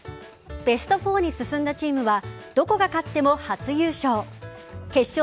ベスト４に進んだチームはどこが勝っても初優勝。